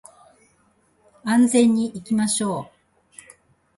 安全に行きましょう